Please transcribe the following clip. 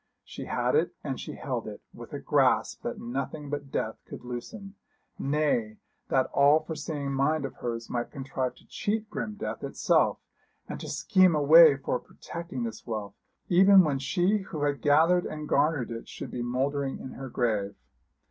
She had it, and she held it, with a grasp that nothing but death could loosen; nay, that all foreseeing mind of hers might contrive to cheat grim death itself, and to scheme a way for protecting this wealth, even when she who had gathered and garnered it should be mouldering in her grave.